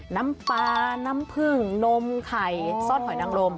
น้ำปลาน้ำผึ้งนมไข่ทอดหอยนังลม